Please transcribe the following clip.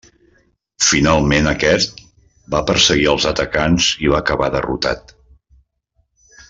Finalment aquest va perseguir als atacants i va acabar derrotat.